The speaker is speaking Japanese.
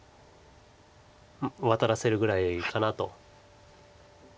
ワタらせるぐらいかなと。